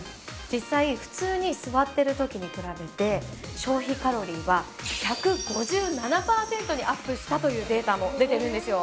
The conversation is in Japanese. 実際普通に座っている時に比べて消費カロリーは１５７パーセントにアップしたというデータも出ているんですよ。